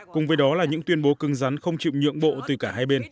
cùng với đó là những tuyên bố cưng rắn không chịu nhượng bộ từ cả hai bên